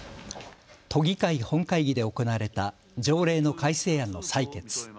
都議会本会議で行われた条例の改正案の採決。